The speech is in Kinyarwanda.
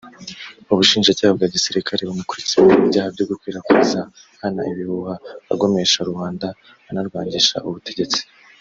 ubushinjacyaha bwa Gisirikare bumukurikiranyeho ibyaha byo gukwirakwiza nkana ibihuha agomesha rubanda anarwangisha ubutegetsi